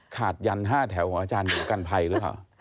ขาดยัน๕แถวของอาจารย์หนูกันภัยเลยค่ะ